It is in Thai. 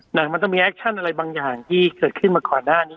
หนังมันต้องมีแอคชั่นอะไรบางอย่างที่เกิดขึ้นมาก่อนหน้านี้